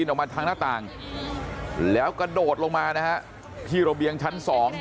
ออกมาทางหน้าต่างแล้วกระโดดลงมานะฮะที่ระเบียงชั้น๒